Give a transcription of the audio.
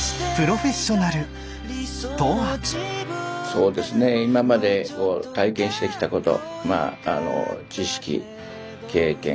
そうですね今まで体験してきたことまああの知識経験